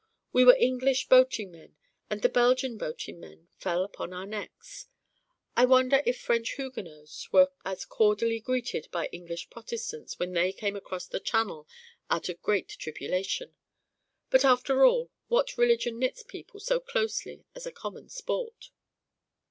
We were English boating men, and the Belgian boating men fell upon our necks. I wonder if French Huguenots were as cordially greeted by English Protestants when they came across the Channel out of great tribulation. But after all, what religion knits people so closely as a common sport?